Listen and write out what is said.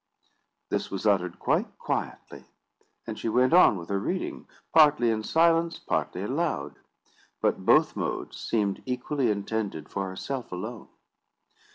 This was uttered quite quietly; and she went on with her reading, partly in silence, partly aloud; but both modes seemed equally intended for herself alone.